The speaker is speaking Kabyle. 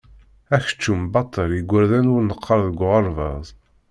Akeččum baṭel i igerdan ur neqqar deg uɣerbaz.